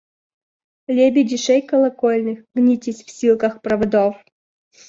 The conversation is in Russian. Лебеди шей колокольных, гнитесь в силках проводов!